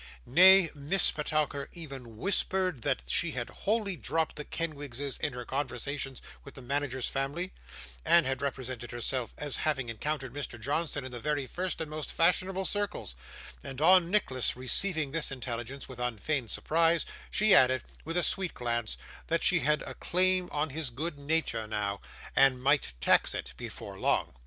Nay, Miss Petowker even whispered that she had wholly dropped the Kenwigses in her conversations with the manager's family, and had represented herself as having encountered Mr. Johnson in the very first and most fashionable circles; and on Nicholas receiving this intelligence with unfeigned surprise, she added, with a sweet glance, that she had a claim on his good nature now, and might tax it before long.